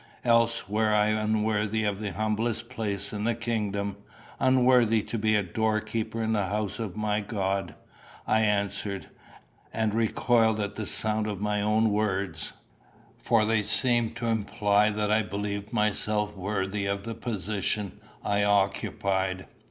"Else were I unworthy of the humblest place in the kingdom unworthy to be a doorkeeper in the house of my God," I answered, and recoiled from the sound of my own words; for they seemed to imply that I believed myself worthy of the position I occupied.